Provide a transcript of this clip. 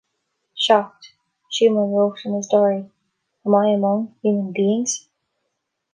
Shocked, Schumann wrote in his diary, Am I among human beings?